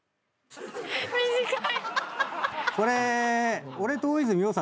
これ。